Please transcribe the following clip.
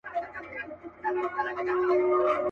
چي زما پیاله راله نسکوره له آسمانه سوله.